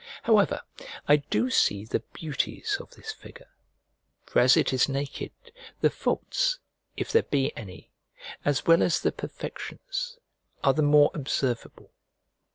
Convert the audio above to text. However, I do see the beauties of this figure: for, as it is naked the faults, if there be any, as well as the perfections, are the more observable.